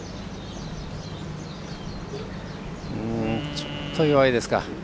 ちょっと弱いですか。